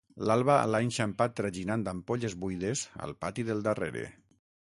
L'alba l'ha enxampat traginant ampolles buides al pati del darrere.